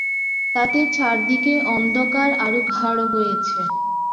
তাতে চারদিকের অন্ধকার আরো গাঢ় হয়েছে।